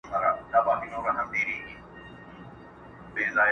شپې دي روڼي ورځي تیري په ژړا سي،